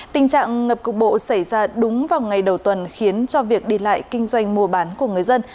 tình trạng ngập cục bộ xảy ra đúng vào ngày đầu tuần khiến cho việc đi lại kinh doanh mua bán của người dân